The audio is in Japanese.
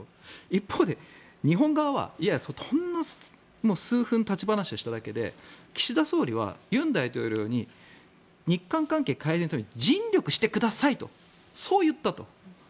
一方で日本側は数分立ち話をしただけで岸田総理は尹大統領に日韓関係改善のために尽力してくださいとそう言ったと。